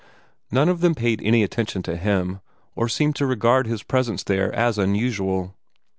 None of them paid any attention to him, or seemed to regard his presence there as unusual.